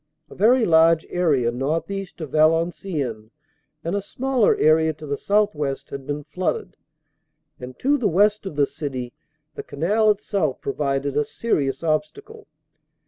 A very large area northeast of Valenciennes and a smaller area to the southwest had been flooded, and to the west of the city the Canal itself provided a serious obstacle.